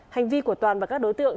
hành vi của toàn và các đối tượng